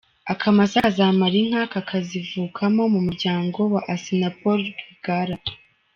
Akamasa kazamara inka kakazivukamo mu muryango wa Assinapol Rwigara